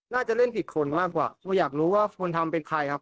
น่าจะเล่นผิดคนมากกว่าเพราะอยากรู้ว่าคนทำเป็นใครครับ